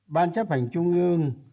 ban chấp hành trung ương